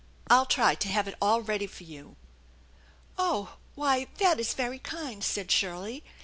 I'll try to have it all ready for you." " Oh, why, that is very kind," said Shirley.